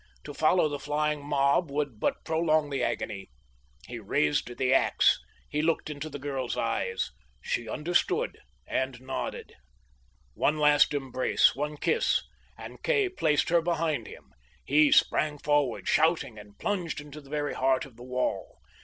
To follow the flying mob would but prolong the agony. He raised the ax. He looked into the girl's eyes. She understood, and nodded. One last embrace, one kiss, and Kay placed her behind him. He sprang forward, shouting, and plunged into the very heart of the wall.